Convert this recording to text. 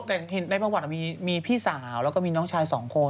แต่เห็นในประวัติมีพี่สาวแล้วก็มีน้องชายสองคน